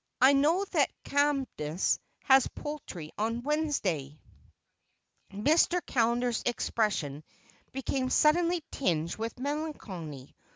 I know that Cadmus has poultry on Wednesday." Mr. Callender's expression became suddenly tinged with melancholy.